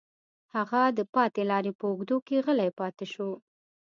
هغه د پاتې لارې په اوږدو کې غلی پاتې شو